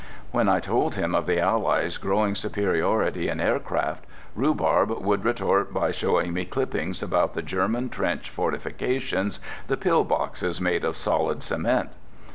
When I told him of the Allies' growing superiority in aircraft Rhubarb would retort by showing me clippings about the German trench fortifications, the "pill boxes" made of solid cement.